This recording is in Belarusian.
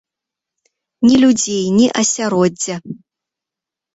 Ні людзей, ні асяроддзя.